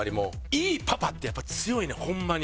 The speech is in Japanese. いいパパってやっぱり強いねんホンマに。